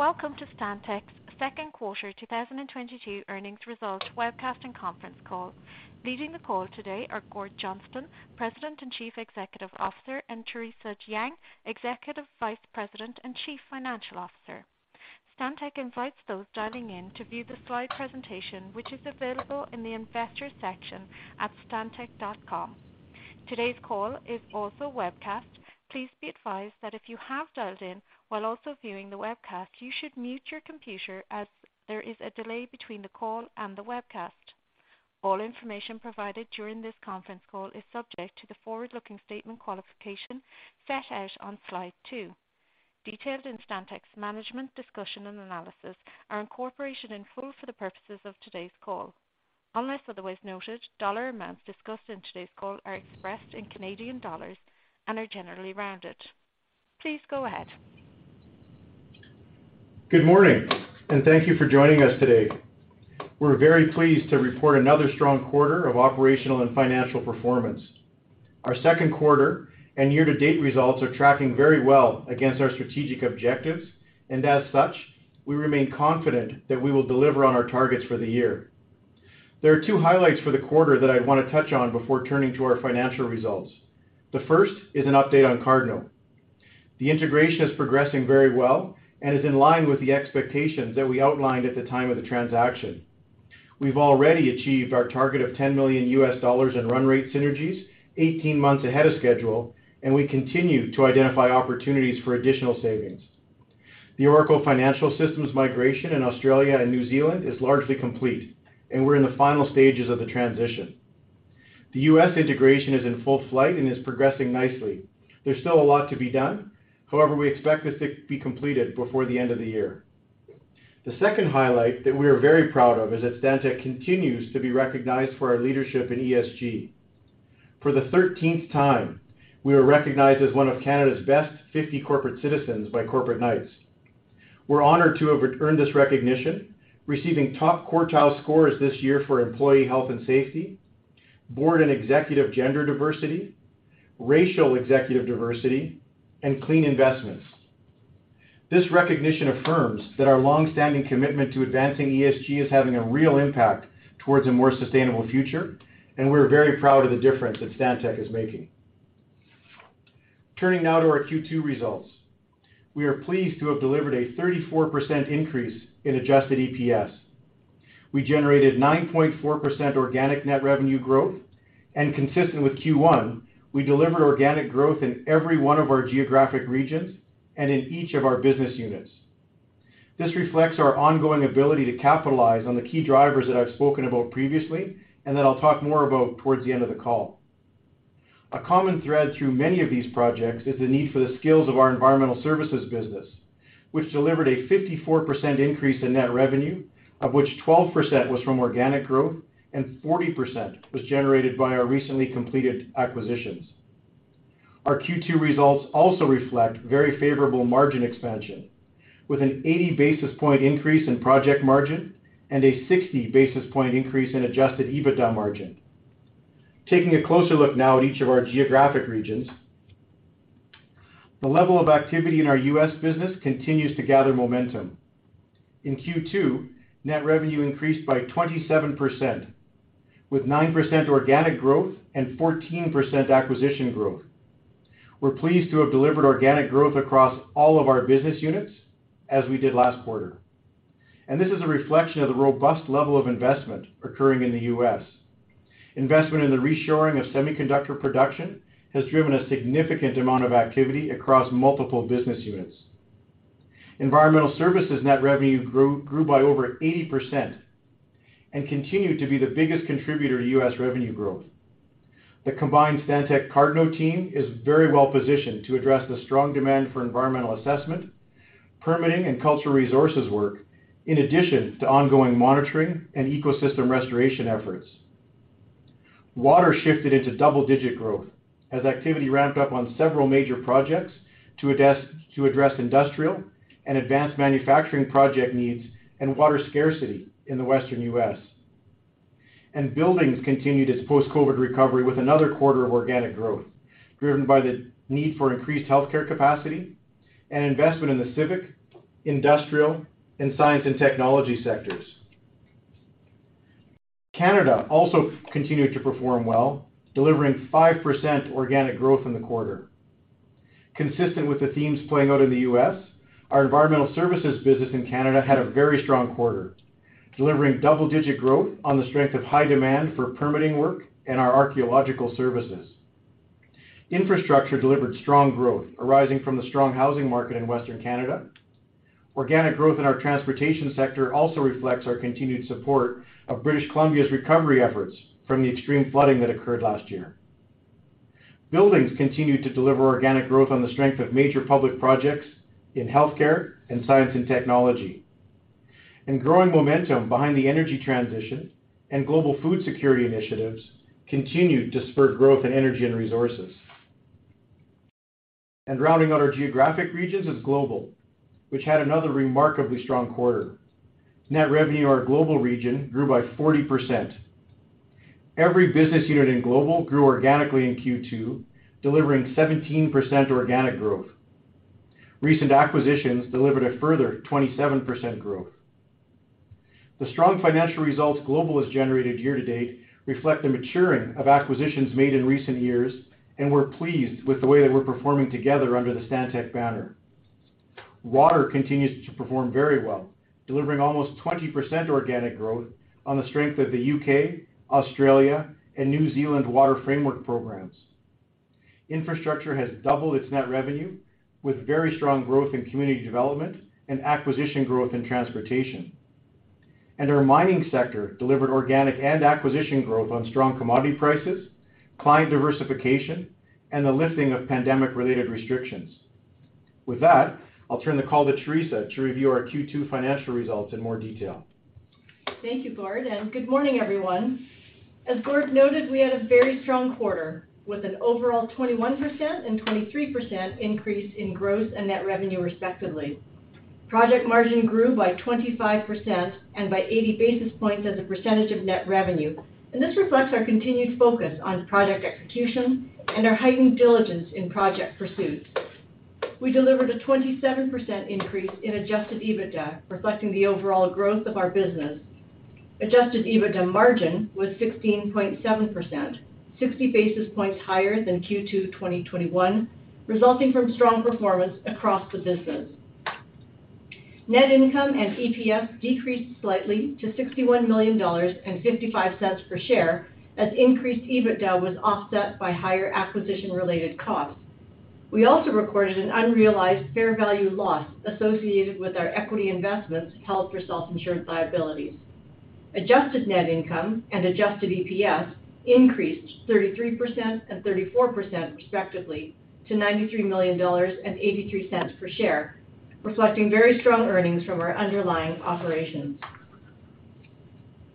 Welcome to Stantec's second quarter 2022 earnings results webcast and conference call. Leading the call today are Gord Johnston, President and Chief Executive Officer, and Theresa Jang, Executive Vice President and Chief Financial Officer. Stantec invites those dialing in to view the slide presentation, which is available in the Investors section at stantec.com. Today's call is also webcast. Please be advised that if you have dialed in while also viewing the webcast, you should mute your computer as there is a delay between the call and the webcast. All information provided during this conference call is subject to the forward-looking statement qualification set out on Slide two. Detailed in Stantec's management discussion and analysis are incorporated in full for the purposes of today's call. Unless otherwise noted, dollar amounts discussed in today's call are expressed in Canadian dollars and are generally rounded. Please go ahead. Good morning, and thank you for joining us today. We're very pleased to report another strong quarter of operational and financial performance. Our second quarter and year-to-date results are tracking very well against our strategic objectives, and as such, we remain confident that we will deliver on our targets for the year. There are two highlights for the quarter that I wanna touch on before turning to our financial results. The first is an update on Cardno. The integration is progressing very well and is in line with the expectations that we outlined at the time of the transaction. We've already achieved our target of $10 million in run rate synergies 18 months ahead of schedule, and we continue to identify opportunities for additional savings. The Oracle Financial Systems migration in Australia and New Zealand is largely complete, and we're in the final stages of the transition. The US integration is in full flight and is progressing nicely. There's still a lot to be done. However, we expect this to be completed before the end of the year. The second highlight that we are very proud of is that Stantec continues to be recognized for our leadership in ESG. For the thirteenth time, we were recognized as one of Canada's Best 50 Corporate Citizens by Corporate Knights. We're honored to have earned this recognition, receiving top quartile scores this year for employee health and safety, board and executive gender diversity, racial executive diversity, and clean investments. This recognition affirms that our long-standing commitment to advancing ESG is having a real impact towards a more sustainable future, and we're very proud of the difference that Stantec is making. Turning now to our Q2 results. We are pleased to have delivered a 34% increase in adjusted EPS. We generated 9.4% organic net revenue growth. Consistent with Q1, we delivered organic growth in every one of our geographic regions and in each of our business units. This reflects our ongoing ability to capitalize on the key drivers that I've spoken about previously and that I'll talk more about towards the end of the call. A common thread through many of these projects is the need for the skills of our environmental services business, which delivered a 54% increase in net revenue, of which 12% was from organic growth and 40% was generated by our recently completed acquisitions. Our Q2 results also reflect very favorable margin expansion with an 80 basis point increase in project margin and a 60 basis point increase in adjusted EBITDA margin. Taking a closer look now at each of our geographic regions, the level of activity in our U.S. business continues to gather momentum. In Q2, net revenue increased by 27%, with 9% organic growth and 14% acquisition growth. We're pleased to have delivered organic growth across all of our business units as we did last quarter. This is a reflection of the robust level of investment occurring in the U.S. Investment in the reshoring of semiconductor production has driven a significant amount of activity across multiple business units. Environmental services net revenue grew by over 80% and continued to be the biggest contributor to U.S. revenue growth. The combined Stantec Cardno team is very well positioned to address the strong demand for environmental assessment, permitting, and cultural resources work, in addition to ongoing monitoring and ecosystem restoration efforts. Water shifted into double-digit growth as activity ramped up on several major projects to address industrial and advanced manufacturing project needs and water scarcity in the Western U.S. Buildings continued its post-COVID recovery with another quarter of organic growth, driven by the need for increased healthcare capacity and investment in the civic, industrial, and science and technology sectors. Canada also continued to perform well, delivering 5% organic growth in the quarter. Consistent with the themes playing out in the U.S., our environmental services business in Canada had a very strong quarter, delivering double-digit growth on the strength of high demand for permitting work and our archaeological services. Infrastructure delivered strong growth arising from the strong housing market in Western Canada. Organic growth in our transportation sector also reflects our continued support of British Columbia's recovery efforts from the extreme flooding that occurred last year. Buildings continued to deliver organic growth on the strength of major public projects in healthcare and science and technology. Growing momentum behind the energy transition and global food security initiatives continued to spur growth in energy and resources. Rounding out our geographic regions is Global, which had another remarkably strong quarter. Net revenue in our Global region grew by 40%. Every business unit in Global grew organically in Q2, delivering 17% organic growth. Recent acquisitions delivered a further 27% growth. The strong financial results Global has generated year-to-date reflect the maturing of acquisitions made in recent years, and we're pleased with the way that we're performing together under the Stantec banner. Water continues to perform very well, delivering almost 20% organic growth on the strength of the UK, Australia, and New Zealand Water Framework programs. Infrastructure has doubled its net revenue, with very strong growth in community development and acquisition growth in transportation. Our mining sector delivered organic and acquisition growth on strong commodity prices, client diversification, and the lifting of pandemic-related restrictions. With that, I'll turn the call to Theresa to review our Q2 financial results in more detail. Thank you, Gord, and good morning, everyone. As Gord noted, we had a very strong quarter with an overall 21% and 23% increase in gross and net revenue, respectively. Project margin grew by 25% and by 80 basis points as a percentage of net revenue. This reflects our continued focus on project execution and our heightened diligence in project pursuits. We delivered a 27% increase in adjusted EBITDA, reflecting the overall growth of our business. Adjusted EBITDA margin was 16.7%, 60 basis points higher than Q2 2021, resulting from strong performance across the business. Net income and EPS decreased slightly to 61 million dollars and 0.55 per share as increased EBITDA was offset by higher acquisition-related costs. We also recorded an unrealized fair value loss associated with our equity investments, health, or self-insurance liabilities. Adjusted net income and adjusted EPS increased 33% and 34%, respectively, to 93 million dollars and 0.83 per share, reflecting very strong earnings from our underlying operations.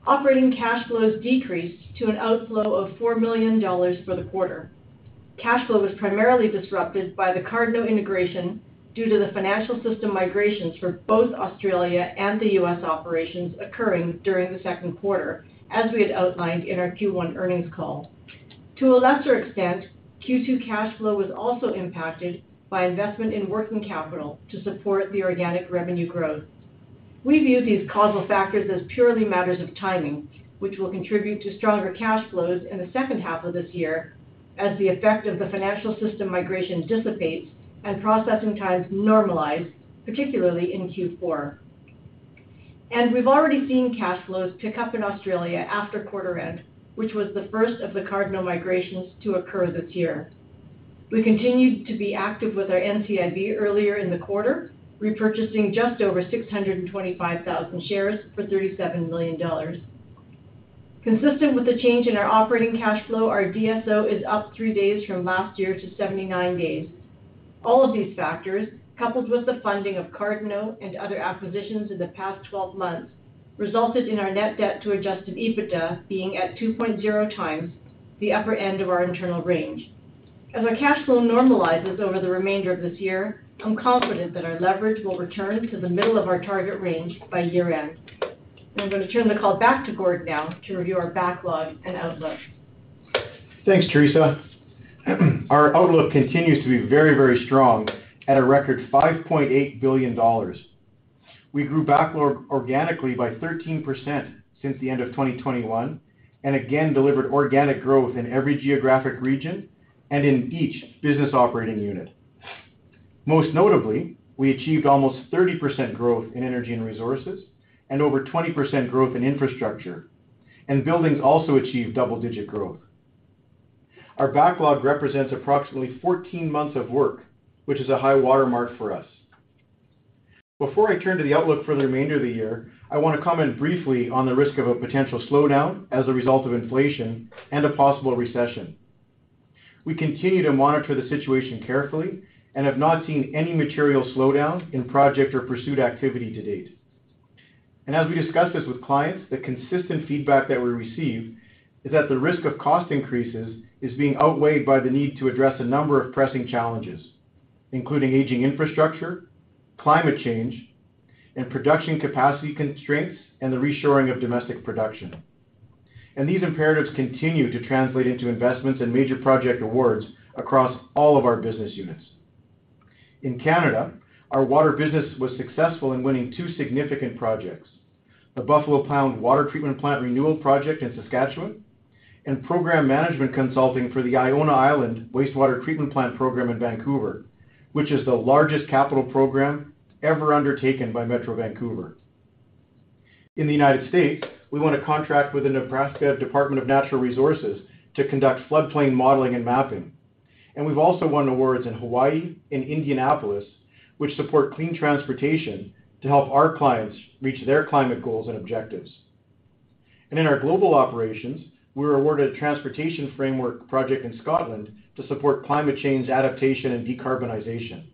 Operating cash flows decreased to an outflow of 4 million dollars for the quarter. Cash flow was primarily disrupted by the Cardno integration due to the financial system migrations for both Australia and the U.S. operations occurring during the second quarter, as we had outlined in our Q1 earnings call. To a lesser extent, Q2 cash flow was also impacted by investment in working capital to support the organic revenue growth. We view these causal factors as purely matters of timing, which will contribute to stronger cash flows in the second half of this year as the effect of the financial system migration dissipates and processing times normalize, particularly in Q4. We've already seen cash flows pick up in Australia after quarter end, which was the first of the Cardno migrations to occur this year. We continued to be active with our NCIB earlier in the quarter, repurchasing just over 625,000 shares for 37 million dollars. Consistent with the change in our operating cash flow, our DSO is up 3 days from last year to 79 days. All of these factors, coupled with the funding of Cardno and other acquisitions in the past 12 months, resulted in our net debt to adjusted EBITDA being at 2.0x the upper end of our internal range. As our cash flow normalizes over the remainder of this year, I'm confident that our leverage will return to the middle of our target range by year-end. I'm going to turn the call back to Gord now to review our backlog and outlook. Thanks, Theresa. Our outlook continues to be very, very strong at a record 5.8 billion dollars. We grew backlog organically by 13% since the end of 2021, and again delivered organic growth in every geographic region and in each business operating unit. Most notably, we achieved almost 30% growth in energy and resources and over 20% growth in infrastructure, and buildings also achieved double-digit growth. Our backlog represents approximately 14 months of work, which is a high watermark for us. Before I turn to the outlook for the remainder of the year, I want to comment briefly on the risk of a potential slowdown as a result of inflation and a possible recession. We continue to monitor the situation carefully and have not seen any material slowdown in project or pursuit activity to date. As we discuss this with clients, the consistent feedback that we receive is that the risk of cost increases is being outweighed by the need to address a number of pressing challenges, including aging infrastructure, climate change, and production capacity constraints, and the reshoring of domestic production. These imperatives continue to translate into investments and major project awards across all of our business units. In Canada, our water business was successful in winning two significant projects, the Buffalo Pound Water Treatment Plant Renewal Project in Saskatchewan and Program Management Consulting for the Iona Island Wastewater Treatment Plant program in Vancouver, which is the largest capital program ever undertaken by Metro Vancouver. In the United States, we won a contract with the Nebraska Department of Natural Resources to conduct floodplain modeling and mapping. We've also won awards in Hawaii and Indianapolis, which support clean transportation to help our clients reach their climate goals and objectives. In our global operations, we were awarded a transportation framework project in Scotland to support climate change adaptation and decarbonization.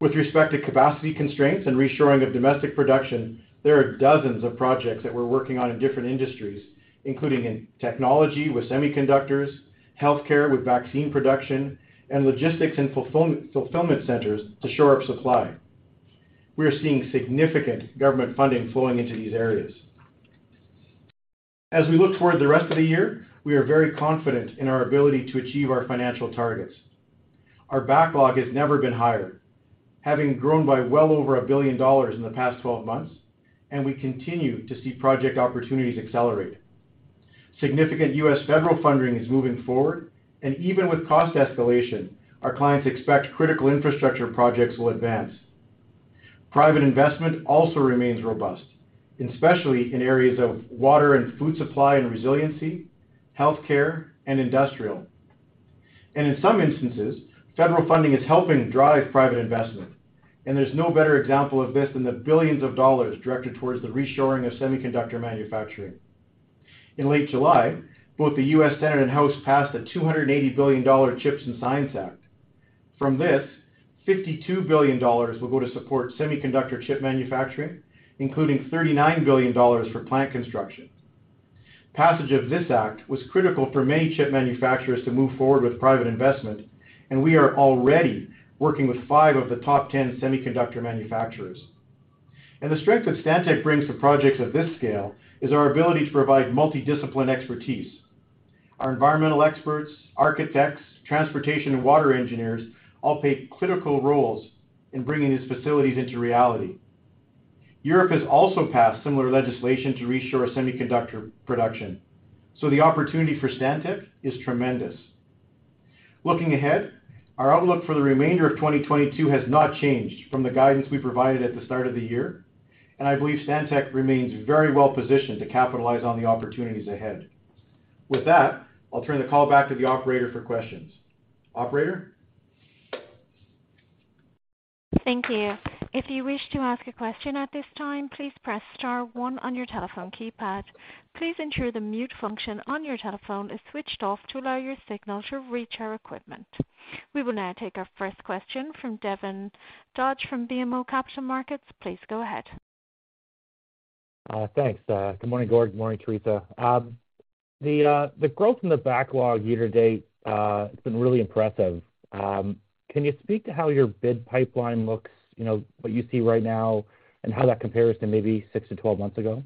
With respect to capacity constraints and reshoring of domestic production, there are dozens of projects that we're working on in different industries, including in technology with semiconductors, healthcare with vaccine production, and logistics and fulfillment centers to shore up supply. We are seeing significant government funding flowing into these areas. As we look toward the rest of the year, we are very confident in our ability to achieve our financial targets. Our backlog has never been higher, having grown by well over 1 billion dollars in the past 12 months, and we continue to see project opportunities accelerate. Significant U.S. federal funding is moving forward, and even with cost escalation, our clients expect critical infrastructure projects will advance. Private investment also remains robust, especially in areas of water and food supply and resiliency, healthcare, and industrial. In some instances, federal funding is helping drive private investment. There's no better example of this than the billions of dollars directed towards the reshoring of semiconductor manufacturing. In late July, both the U.S. Senate and House passed a $280 billion CHIPS and Science Act. From this, $52 billion will go to support semiconductor chip manufacturing, including $39 billion for plant construction. Passage of this act was critical for many chip manufacturers to move forward with private investment, and we are already working with five of the top 10 semiconductor manufacturers. The strength that Stantec brings to projects of this scale is our ability to provide multidisciplined expertise. Our environmental experts, architects, transportation, and water engineers all play critical roles in bringing these facilities into reality. Europe has also passed similar legislation to reshore semiconductor production, so the opportunity for Stantec is tremendous. Looking ahead, our outlook for the remainder of 2022 has not changed from the guidance we provided at the start of the year, and I believe Stantec remains very well positioned to capitalize on the opportunities ahead. With that, I'll turn the call back to the operator for questions. Operator? Thank you. If you wish to ask a question at this time, please press star one on your telephone keypad. Please ensure the mute function on your telephone is switched off to allow your signal to reach our equipment. We will now take our first question from Devin Dodge from BMO Capital Markets. Please go ahead. Thanks. Good morning, Gord. Good morning, Theresa. The growth in the backlog year to date has been really impressive. Can you speak to how your bid pipeline looks, you know, what you see right now, and how that compares to maybe 6-12 months ago?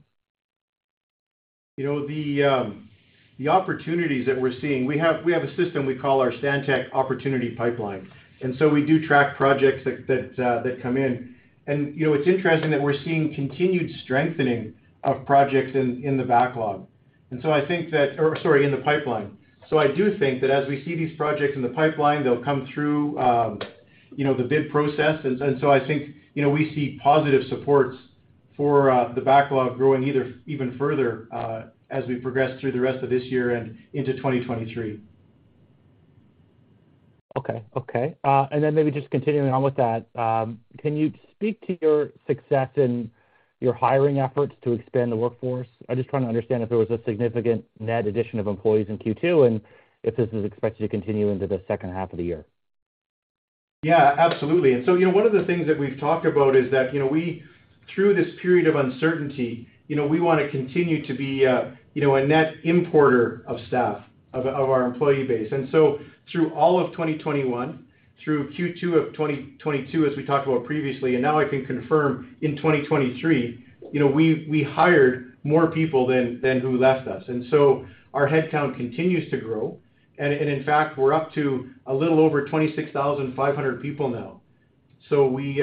You know, the opportunities that we're seeing, we have a system we call our Stantec Opportunity Pipeline. We do track projects that come in. You know, it's interesting that we're seeing continued strengthening of projects in the pipeline. I do think that as we see these projects in the pipeline, they'll come through, you know, the bid process. I think, you know, we see positive supports for the backlog growing either even further as we progress through the rest of this year and into 2023. Okay. Maybe just continuing on with that, can you speak to your success in your hiring efforts to expand the workforce? I'm just trying to understand if there was a significant net addition of employees in Q2, and if this is expected to continue into the second half of the year. Yeah, absolutely. You know, one of the things that we've talked about is that, you know, we through this period of uncertainty, you know, we wanna continue to be a net importer of staff, of our employee base. Through all of 2021, through Q2 of 2022, as we talked about previously, and now I can confirm in 2023, you know, we hired more people than who left us. Our headcount continues to grow. In fact, we're up to a little over 26,500 people now. We, you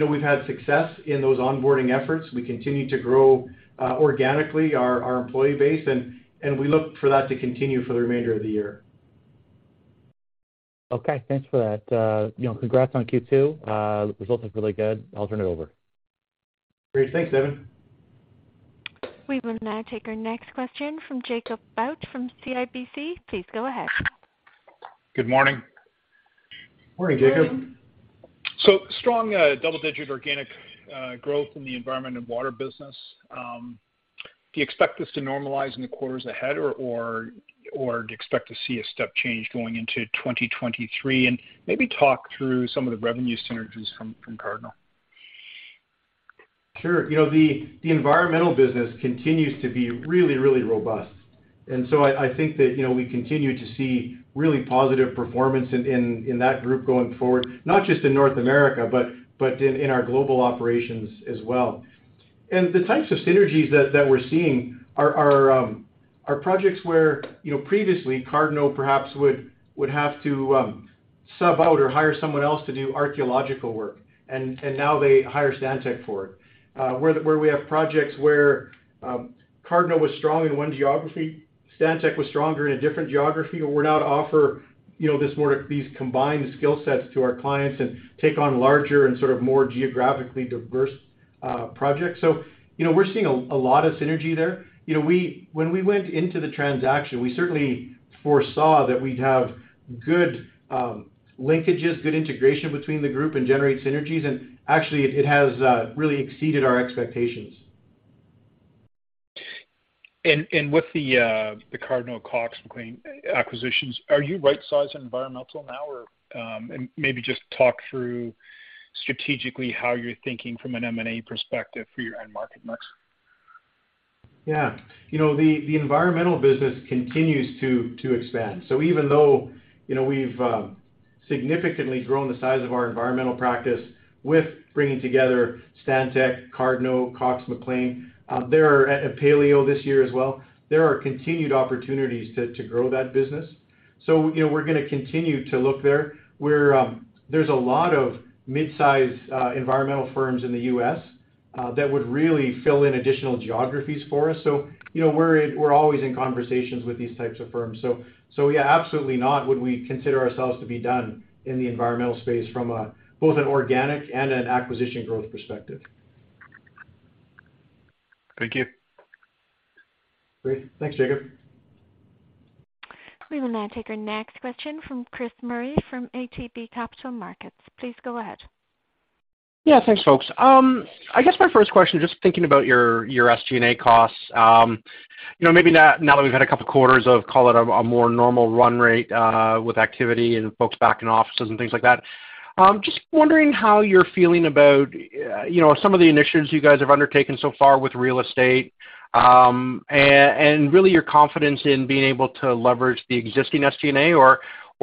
know, we've had success in those onboarding efforts. We continue to grow organically our employee base, and we look for that to continue for the remainder of the year. Okay, thanks for that. You know, congrats on Q2. Results look really good. I'll turn it over. Great. Thanks, Devin. We will now take our next question from Jacob Bout from CIBC. Please go ahead. Good morning. Morning, Jacob. Morning. Strong double-digit organic growth in the environment and water business. Do you expect this to normalize in the quarters ahead or do you expect to see a step change going into 2023? Maybe talk through some of the revenue synergies from Cardno. Sure. You know, the environmental business continues to be really robust. I think that, you know, we continue to see really positive performance in that group going forward, not just in North America, but in our global operations as well. The types of synergies that we're seeing are projects where, you know, previously Cardno perhaps would have to sub out or hire someone else to do archaeological work, and now they hire Stantec for it. Where we have projects where Cardno was strong in one geography, Stantec was stronger in a different geography, and we're now to offer, you know, these combined skill sets to our clients and take on larger and sort of more geographically diverse projects. You know, we're seeing a lot of synergy there. You know, when we went into the transaction, we certainly foresaw that we'd have good linkages, good integration between the group and generate synergies. Actually, it has really exceeded our expectations. With the Cardno, CoxMcLain acquisitions, are you right-sized in environmental now? Or, and maybe just talk through strategically how you're thinking from an M&A perspective for your end market mix. Yeah. You know, the environmental business continues to expand. Even though, you know, we've significantly grown the size of our environmental practice with bringing together Stantec, Cardno, Cox|McLain, and Paleo this year as well, there are continued opportunities to grow that business. You know, we're gonna continue to look there, where there's a lot of midsize environmental firms in the U.S. that would really fill in additional geographies for us. You know, we're always in conversations with these types of firms. Yeah, absolutely not, would we consider ourselves to be done in the environmental space from both an organic and an acquisition growth perspective. Thank you. Great. Thanks, Jacob. We will now take our next question from Chris Murray from ATB Capital Markets. Please go ahead. Yeah, thanks, folks. I guess my first question, just thinking about your SG&A costs, you know, maybe now that we've had a couple quarters of call it a more normal run rate, with activity and folks back in offices and things like that, just wondering how you're feeling about, you know, some of the initiatives you guys have undertaken so far with real estate, and really your confidence in being able to leverage the existing SG&A or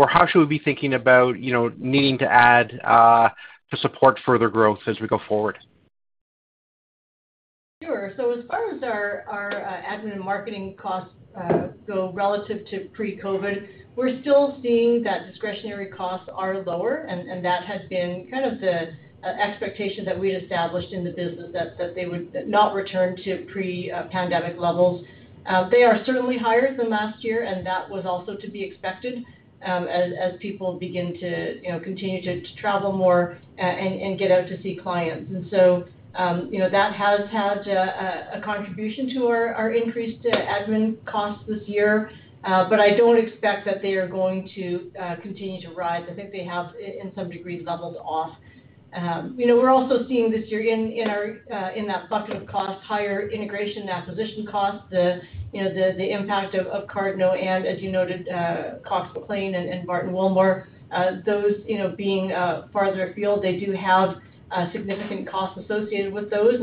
how should we be thinking about, you know, needing to add to support further growth as we go forward? Sure. So as far as our admin and marketing costs go relative to pre-COVID, we're still seeing that discretionary costs are lower, and that has been kind of the expectation that we established in the business that they would not return to pre-pandemic levels. They are certainly higher than last year, and that was also to be expected, as people begin to, you know, continue to travel more and get out to see clients. You know, that has had a contribution to our increased admin costs this year. I don't expect that they are going to continue to rise. I think they have in some degree leveled off. You know, we're also seeing this year in that bucket of costs, higher integration and acquisition costs, you know, the impact of Cardno and as you noted, Cox|McLain and Barton Willmore. Those, you know, being farther afield, they do have significant costs associated with those.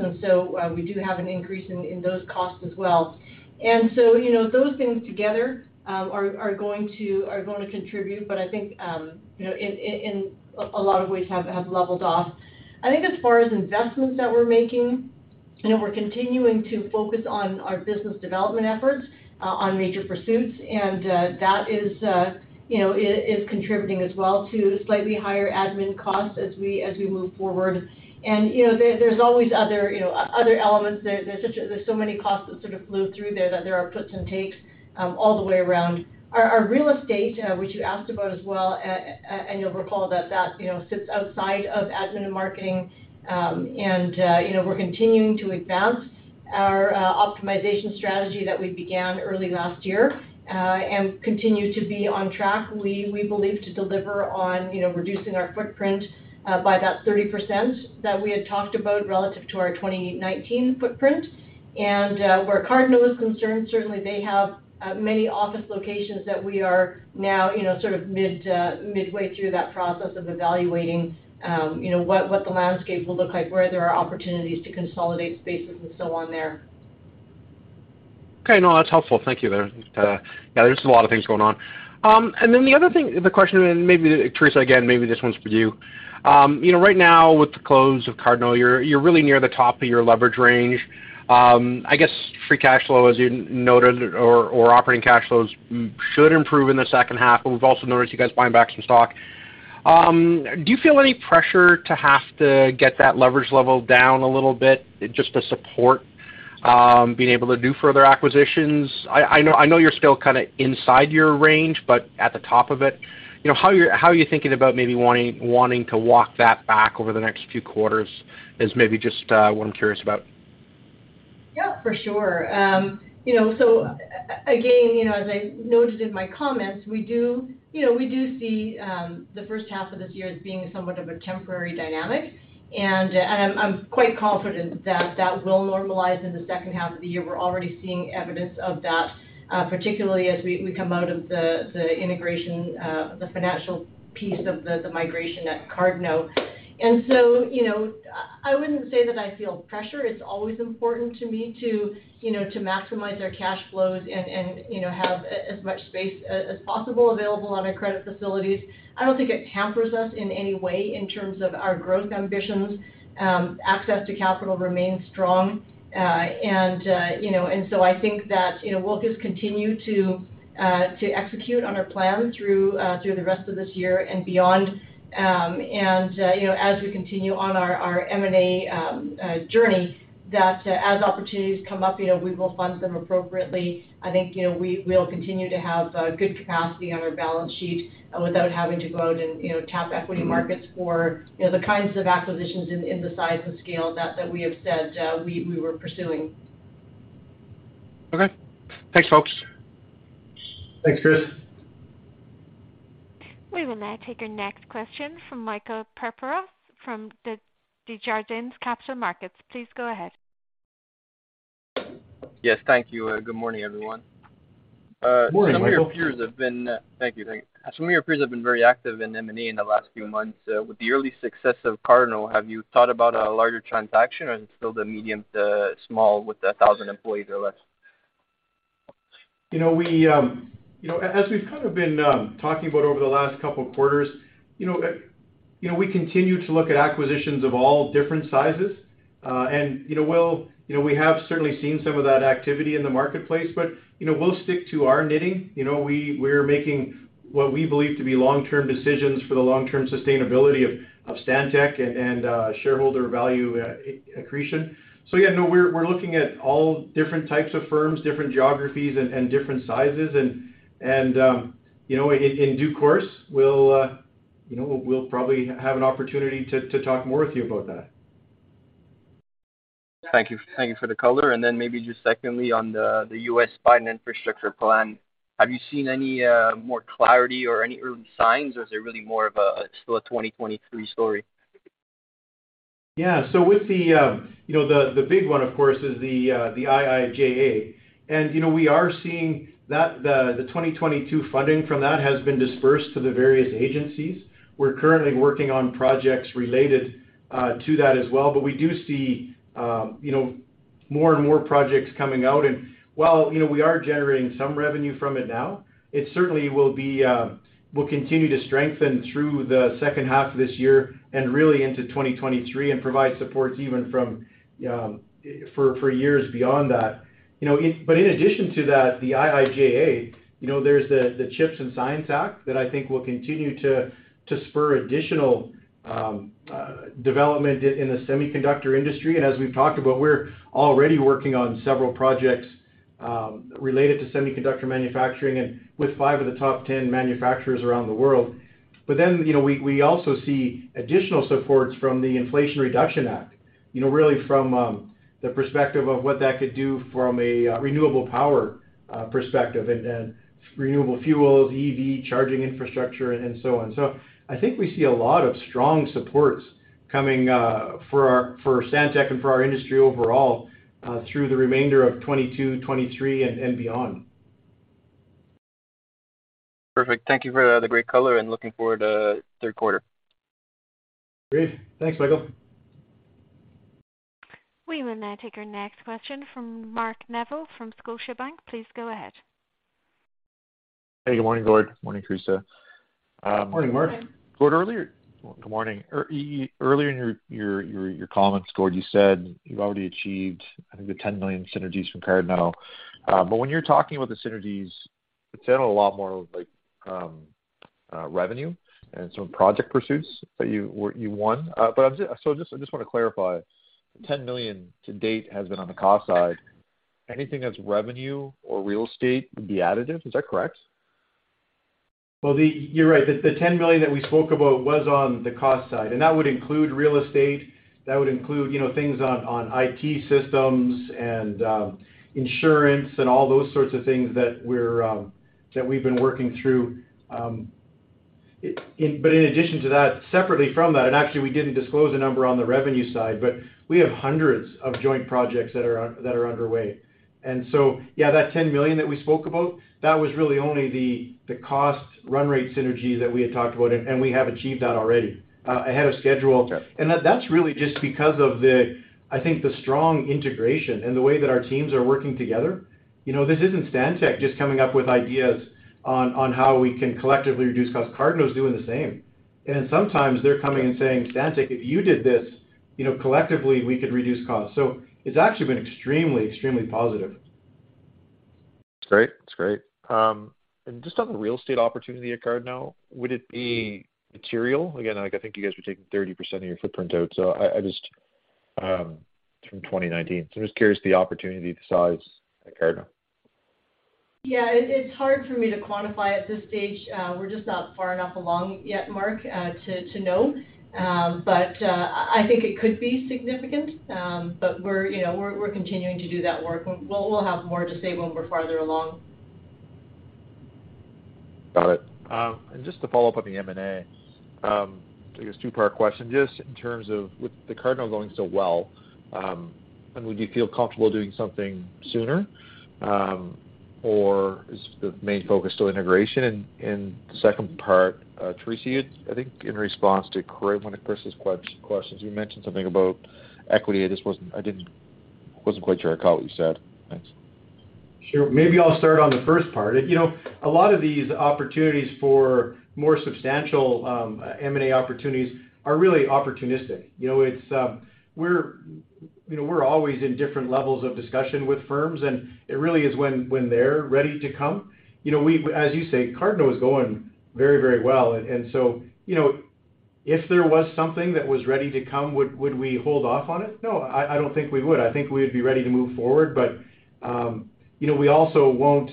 We do have an increase in those costs as well. You know, those things together are going to contribute. But I think you know in a lot of ways have leveled off. I think as far as investments that we're making, you know, we're continuing to focus on our business development efforts on major pursuits. That is, you know, is contributing as well to slightly higher admin costs as we move forward. You know, there's always other, you know, other elements there. There's so many costs that sort of flow through there that there are puts and takes all the way around. Our real estate, which you asked about as well, and you'll recall that, you know, sits outside of admin and marketing. You know, we're continuing to advance our optimization strategy that we began early last year and continue to be on track, we believe, to deliver on reducing our footprint by that 30% that we had talked about relative to our 2019 footprint. Where Cardno is concerned, certainly they have many office locations that we are now, you know, sort of midway through that process of evaluating, you know, what the landscape will look like, where there are opportunities to consolidate spaces and so on there. Okay. No, that's helpful. Thank you there. Yeah, there's a lot of things going on. The other thing, the question, and maybe Theresa, again, maybe this one's for you. You know, right now with the close of Cardno, you're really near the top of your leverage range. I guess free cash flow, as you noted or operating cash flows should improve in the second half. We've also noticed you guys buying back some stock. Do you feel any pressure to have to get that leverage level down a little bit just to support being able to do further acquisitions? I know you're still kind of inside your range, but at the top of it. You know, how are you thinking about maybe wanting to walk that back over the next few quarters is maybe just what I'm curious about. Yeah, for sure. You know, again, you know, as I noted in my comments, we do, you know, we do see the first half of this year as being somewhat of a temporary dynamic. I'm quite confident that that will normalize in the second half of the year. We're already seeing evidence of that, particularly as we come out of the integration, the financial piece of the migration at Cardno. You know, I wouldn't say that I feel pressure. It's always important to me to, you know, to maximize our cash flows and, you know, have as much space as possible available on our credit facilities. I don't think it hampers us in any way in terms of our growth ambitions. Access to capital remains strong. I think that, you know, we'll just continue to execute on our plan through the rest of this year and beyond. As we continue on our M&A journey, that as opportunities come up, you know, we will fund them appropriately. I think, you know, we will continue to have good capacity on our balance sheet without having to go out and, you know, tap equity markets for, you know, the kinds of acquisitions in the size and scale that we have said, we were pursuing. Okay. Thanks, folks. Thanks, Chris. We will now take our next question from Michael Tupholme from the Desjardins Capital Markets. Please go ahead. Yes, thank you. Good morning, everyone. Some of your peers have been very active in M&A in the last few months. With the early success of Cardno, have you thought about a larger transaction or is it still the medium to small with 1,000 employees or less? You know, as we've kind of been talking about over the last couple of quarters, you know, you know, we continue to look at acquisitions of all different sizes. You know, while you know, we have certainly seen some of that activity in the marketplace, but you know, we'll stick to our knitting. You know, we're making what we believe to be long-term decisions for the long-term sustainability of Stantec and shareholder value accretion. Yeah, no, we're looking at all different types of firms, different geographies and you know, in due course we'll you know, we'll probably have an opportunity to talk more with you about that. Thank you. Thank you for the color. Then maybe just secondly, on the U.S. Biden infrastructure plan, have you seen any more clarity or any early signs, or is it really more of a still a 2023 story? Yeah. With the, you know, the big one of course is the IIJA. You know, we are seeing that the 2022 funding from that has been dispersed to the various agencies. We're currently working on projects related to that as well. We do see, you know, more and more projects coming out. While, you know, we are generating some revenue from it now, it certainly will continue to strengthen through the second half of this year and really into 2023 and provide supports even for years beyond that. You know, but in addition to that, the IIJA, you know, there's the CHIPS and Science Act that I think will continue to spur additional development in the semiconductor industry. As we've talked about, we're already working on several projects related to semiconductor manufacturing and with five of the top 10 manufacturers around the world. You know, we also see additional supports from the Inflation Reduction Act, you know, really from the perspective of what that could do from a renewable power perspective and then renewable fuels, EV charging infrastructure and so on. I think we see a lot of strong supports coming for Stantec and for our industry overall through the remainder of 2022, 2023 and beyond. Perfect. Thank you for the great color and looking forward to third quarter. Great. Thanks, Michael. We will now take our next question from Mark Neville from Scotiabank. Please go ahead. Hey, good morning, Gord. Morning, Theresa. Morning, Mark. Morning. Good morning, Gord. Earlier in your comments, Gord, you said you've already achieved, I think, the $10 million synergies from Cardno. But when you're talking about the synergies, it sounded a lot more like revenue and some project pursuits that you won. I just wanna clarify, the $10 million to date has been on the cost side. Anything that's revenue or real estate would be additive. Is that correct? Well, You're right. The ten million that we spoke about was on the cost side, and that would include real estate, that would include, you know, things on IT systems and insurance and all those sorts of things that we've been working through. But in addition to that, separately from that, and actually we didn't disclose a number on the revenue side, but we have hundreds of joint projects that are underway. Yeah, that ten million that we spoke about, that was really only the cost run rate synergy that we had talked about. We have achieved that already, ahead of schedule. Sure. That's really just because of the, I think, the strong integration and the way that our teams are working together. You know, this isn't Stantec just coming up with ideas on how we can collectively reduce costs. Cardno's doing the same. Sometimes they're coming and saying, "Stantec, if you did this, you know, collectively we could reduce costs." It's actually been extremely positive. That's great. Just on the real estate opportunity at Cardno, would it be material? Again, like I think you guys were taking 30% of your footprint out, so I just from 2019. I'm just curious the opportunity, the size at Cardno. Yeah. It's hard for me to quantify at this stage. We're just not far enough along yet, Mark, to know. I think it could be significant. We're, you know, continuing to do that work. We'll have more to say when we're farther along. Got it. Just to follow up on the M&A, I guess two-part question, just in terms of with the Cardno going so well, and would you feel comfortable doing something sooner, or is the main focus still integration? The second part, Theresa, you, I think in response to Chris one of Chris's questions, you mentioned something about equity. I just wasn't quite sure I caught what you said. Thanks. Sure. Maybe I'll start on the first part. You know, a lot of these opportunities for more substantial M&A opportunities are really opportunistic. You know, it's we're, you know, we're always in different levels of discussion with firms, and it really is when they're ready to come. You know, as you say, Cardno is going very, very well. You know, if there was something that was ready to come, would we hold off on it? No. I don't think we would. I think we'd be ready to move forward. You know, we also won't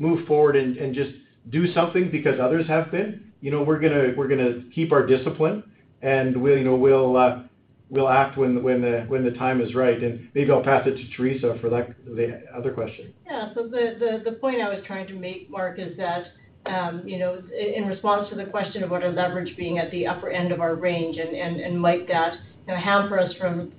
move forward and just do something because others have been. You know, we're gonna keep our discipline and we'll, you know, we'll act when the time is right. Maybe I'll pass it to Theresa for that, the other question. Yeah. The point I was trying to make, Mark, is that, you know, in response to the question about our leverage being at the upper end of our range and might that, you know, hamper us from,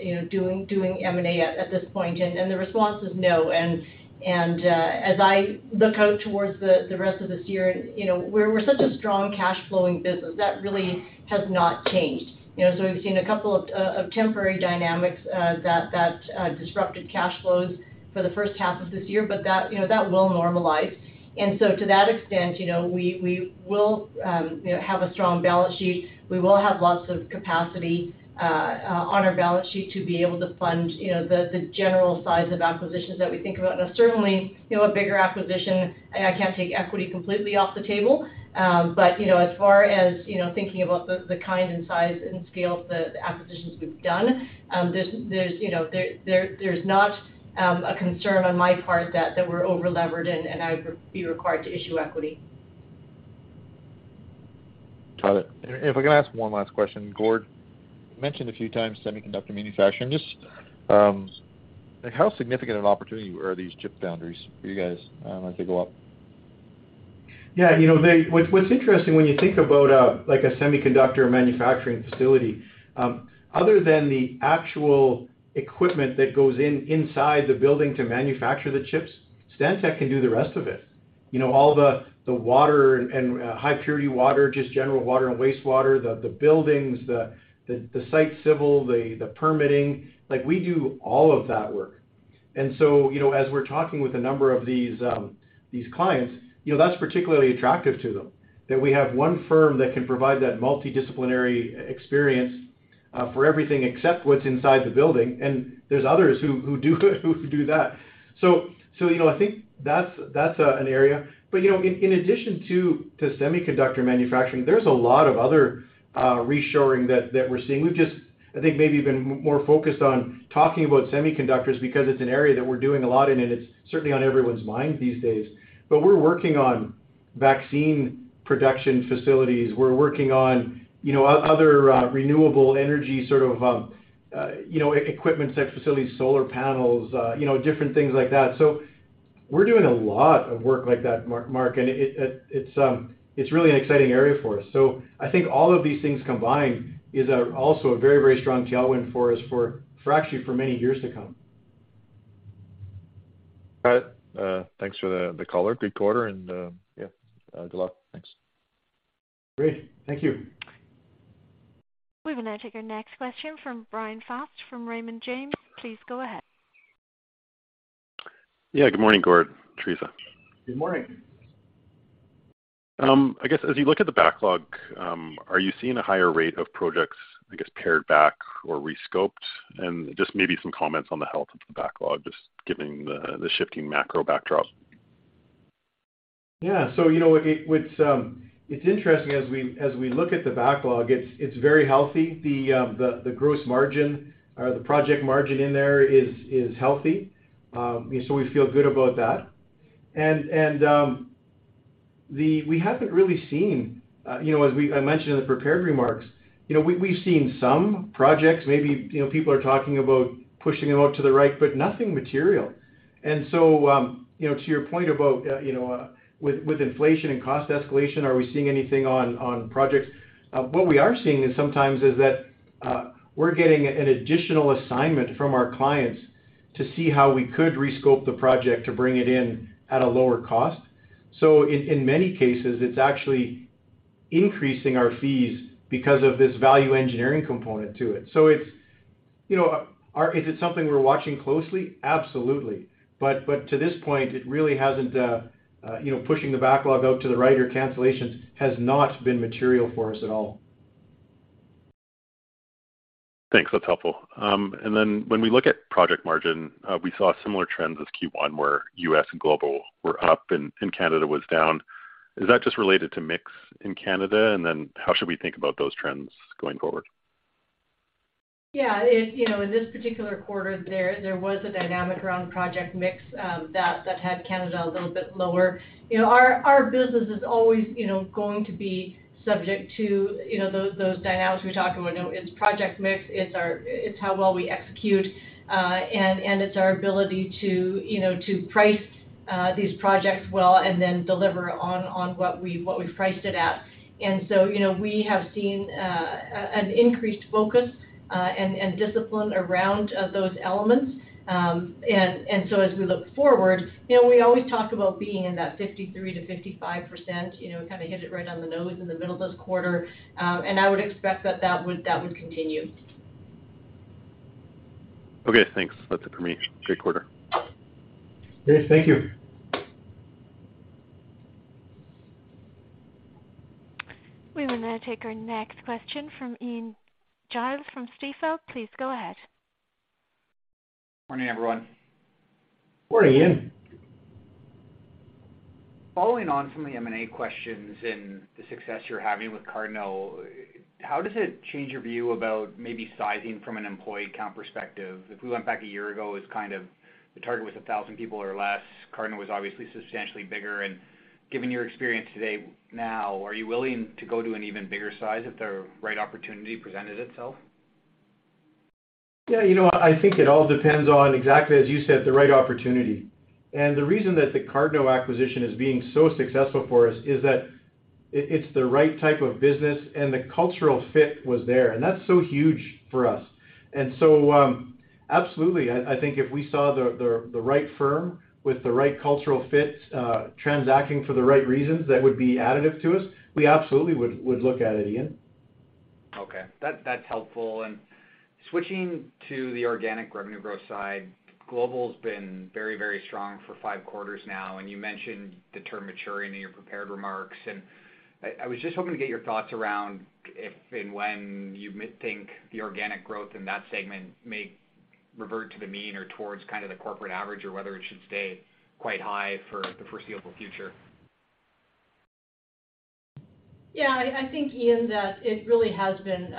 you know, doing M&A at this point, and the response is no. As I look out towards the rest of this year, you know, we're such a strong cash flowing business, that really has not changed. You know, we've seen a couple of temporary dynamics that disrupted cash flows for the first half of this year, but that, you know, that will normalize. To that extent, you know, we will have a strong balance sheet. We will have lots of capacity on our balance sheet to be able to fund, you know, the general size of acquisitions that we think about. Now certainly, you know, a bigger acquisition, I can't take equity completely off the table, but, you know, as far as, you know, thinking about the kind and size and scale of the acquisitions we've done, there's, you know, there's not a concern on my part that we're over-levered and I would be required to issue equity. Got it. If I can ask one last question, Gord. You mentioned a few times semiconductor manufacturing. Just, like how significant an opportunity are these chip foundries for you guys, as they go up? Yeah. You know, what's interesting when you think about, like a semiconductor manufacturing facility, other than the actual equipment that goes in inside the building to manufacture the chips, Stantec can do the rest of it. You know, all the water and high purity water, just general water and wastewater, the buildings, the site civil, the permitting, like, we do all of that work. You know, as we're talking with a number of these clients, you know, that's particularly attractive to them, that we have one firm that can provide that multidisciplinary experience for everything except what's inside the building, and there's others who do that. You know, I think that's an area. You know, in addition to semiconductor manufacturing, there's a lot of other reshoring that we're seeing. We've just, I think, maybe been more focused on talking about semiconductors because it's an area that we're doing a lot in, and it's certainly on everyone's mind these days. We're working on vaccine production facilities. We're working on, you know, other renewable energy sort of, you know, equipment type facilities, solar panels, you know, different things like that. So we're doing a lot of work like that, Mark, and it's really an exciting area for us. So I think all of these things combined is also a very, very strong tailwind for us, actually, for many years to come. All right. Thanks for the call. Good quarter and good luck. Thanks. Great. Thank you. We will now take our next question from Brian Faust from Raymond James. Please go ahead. Yeah, good morning, Gord, Theresa. Good morning. I guess as you look at the backlog, are you seeing a higher rate of projects, I guess, pared back or rescoped? Just maybe some comments on the health of the backlog, just given the shifting macro backdrop. Yeah, you know, it's interesting as we look at the backlog, it's very healthy. The gross margin or the project margin in there is healthy. We feel good about that. We haven't really seen, you know, as I mentioned in the prepared remarks, you know, we've seen some projects maybe, you know, people are talking about pushing them out to the right, but nothing material. You know, to your point about, you know, with inflation and cost escalation, are we seeing anything on projects? What we are seeing is sometimes that we're getting an additional assignment from our clients to see how we could rescope the project to bring it in at a lower cost. In many cases, it's actually increasing our fees because of this value engineering component to it. It's, you know, is it something we're watching closely? Absolutely. To this point, it really hasn't, you know, pushing the backlog out to the right or cancellations has not been material for us at all. Thanks. That's helpful. When we look at project margin, we saw similar trends as Q1, where U.S. and global were up and Canada was down. Is that just related to mix in Canada? How should we think about those trends going forward? Yeah. It's, you know, in this particular quarter, there was a dynamic around project mix that had Canada a little bit lower. You know, our business is always, you know, going to be subject to, you know, those dynamics we talked about. You know, it's project mix, it's how well we execute, and it's our ability to, you know, to price these projects well and then deliver on what we've priced it at. You know, we have seen an increased focus and discipline around those elements. As we look forward, you know, we always talk about being in that 53%-55%, you know, kind of hit it right on the nose in the middle of this quarter. I would expect that would continue. Okay, thanks. That's it for me. Great quarter. Great. Thank you. We will now take our next question from Ian Gillies from Stifel. Please go ahead. Morning, everyone. Morning, Ian. Following on from the M&A questions and the success you're having with Cardno, how does it change your view about maybe sizing from an employee count perspective? If we went back a year ago, it's kind of the target was 1,000 people or less. Cardno was obviously substantially bigger. Given your experience today now, are you willing to go to an even bigger size if the right opportunity presented itself? Yeah, you know what? I think it all depends on exactly, as you said, the right opportunity. The reason that the Cardno acquisition is being so successful for us is that it's the right type of business, and the cultural fit was there, and that's so huge for us. Absolutely. I think if we saw the right firm with the right cultural fit, transacting for the right reasons that would be additive to us, we absolutely would look at it, Ian. Okay, that's helpful. Switching to the organic revenue growth side, global's been very, very strong for five quarters now, and you mentioned the term maturing in your prepared remarks. I was just hoping to get your thoughts around if and when you think the organic growth in that segment may revert to the mean or towards kind of the corporate average or whether it should stay quite high for the foreseeable future. Yeah. I think, Ian, that it really has been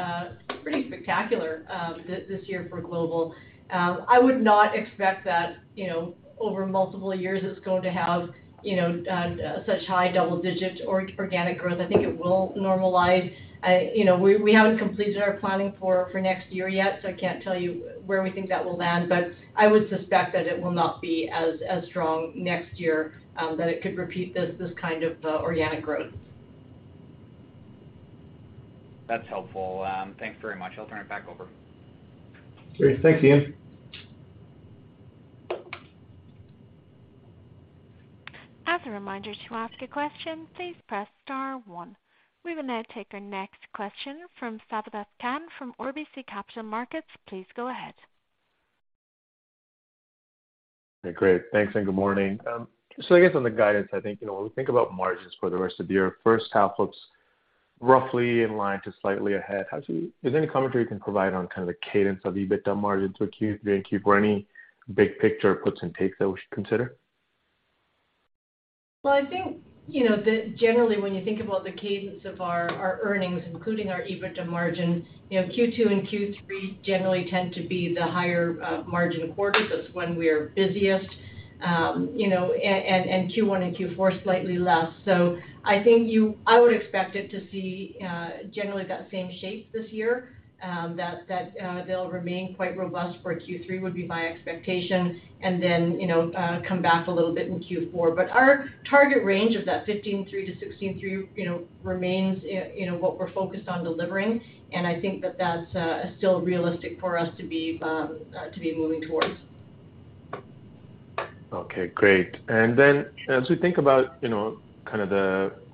pretty spectacular this year for global. I would not expect that, you know, over multiple years it's going to have, you know, such high double digit organic growth. I think it will normalize. You know, we haven't completed our planning for next year yet, so I can't tell you where we think that will land, but I would suspect that it will not be as strong next year that it could repeat this kind of organic growth. That's helpful. Thanks very much. I'll turn it back over. Great. Thanks, Ian Gillies. As a reminder, to ask a question, please press star one. We will now take our next question from Sabahat Khan from RBC Capital Markets. Please go ahead. Okay, great. Thanks, and good morning. So I guess on the guidance, I think, you know, when we think about margins for the rest of the year, first half looks roughly in line to slightly ahead. Is there any commentary you can provide on kind of the cadence of EBITDA margin through Q3 and Q4, any big picture puts and takes that we should consider? Well, I think, you know, generally, when you think about the cadence of our earnings, including our EBITDA margin, you know, Q2 and Q3 generally tend to be the higher margin quarters. That's when we're busiest, you know, and Q1 and Q4 slightly less. I think I would expect it to see generally that same shape this year, that they'll remain quite robust for Q3 would be my expectation, and then, you know, come back a little bit in Q4. But our target range of that 15.3%-16.3%, you know, remains in what we're focused on delivering, and I think that that's still realistic for us to be moving towards. Okay, great. As we think about, you know, kind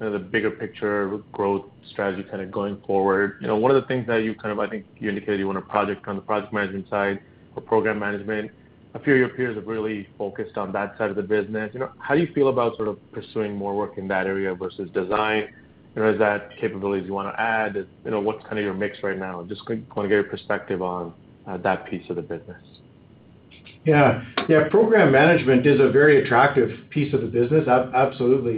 of the bigger picture growth strategy kind of going forward, you know, one of the things that you kind of I think you indicated you want to project on the project management side or program management. A few of your peers have really focused on that side of the business. You know, how do you feel about sort of pursuing more work in that area versus design? You know, is that capabilities you wanna add? You know, what's kind of your mix right now? Just want to get your perspective on that piece of the business. Yeah. Yeah, program management is a very attractive piece of the business, absolutely.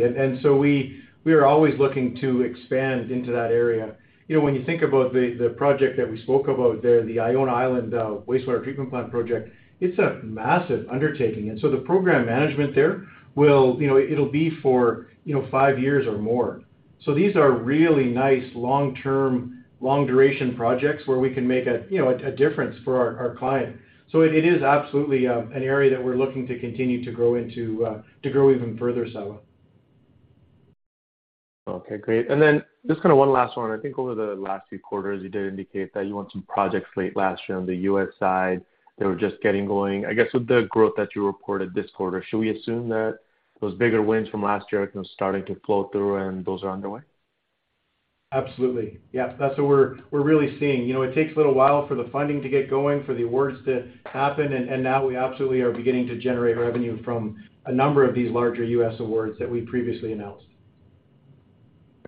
We are always looking to expand into that area. You know, when you think about the project that we spoke about there, the Iona Island Wastewater Treatment Plant project, it's a massive undertaking. The program management there will be for five years or more. You know, it'll be for five years or more. These are really nice long-term, long-duration projects where we can make a difference for our client. It is absolutely an area that we're looking to continue to grow into, to grow even further, Sava. Okay, great. Just kind of one last one. I think over the last few quarters, you did indicate that you won some projects late last year on the U.S. side that were just getting going. I guess, with the growth that you reported this quarter, should we assume that those bigger wins from last year are kind of starting to flow through and those are underway? Absolutely. Yeah. That's what we're really seeing. You know, it takes a little while for the funding to get going, for the awards to happen, and now we absolutely are beginning to generate revenue from a number of these larger U.S. awards that we previously announced.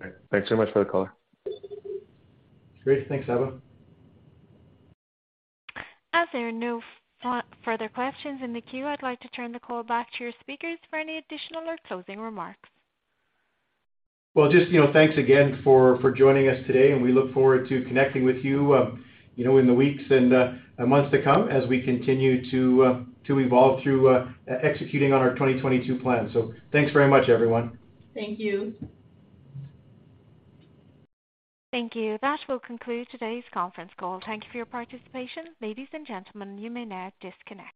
All right. Thanks so much for the call. Great. Thanks, Sava. As there are no further questions in the queue, I'd like to turn the call back to your speakers for any additional or closing remarks. Well, just, you know, thanks again for joining us today, and we look forward to connecting with you know, in the weeks and months to come as we continue to evolve through executing on our 2022 plan. Thanks very much, everyone. Thank you. Thank you. That will conclude today's conference call. Thank you for your participation. Ladies and gentlemen, you may now disconnect.